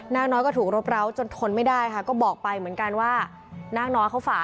นางน้อยก็ถูกรบร้าวจนทนไม่ได้ค่ะก็บอกไปเหมือนกันว่านางน้อยเขาฝ่า